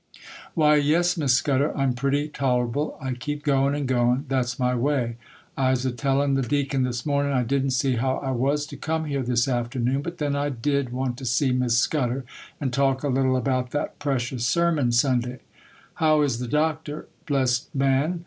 'Why, yes, Miss Scudder, I'm pretty tol'able. I keep goin', and goin'. That's my way. I's a tellin' the Deacon, this mornin', I didn't see how I was to come here this afternoon; but then I did want to see Miss Scudder, and talk a little about that precious sermon, Sunday. How is the Doctor? blessed man!